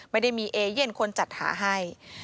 ไม่ได้มีเอเย่นคนจัดหาให้